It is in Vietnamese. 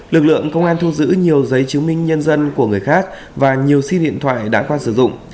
lực lượng công an thu giữ nhiều giấy chứng minh nhân dân của người khác và nhiều sim điện thoại đã qua sử dụng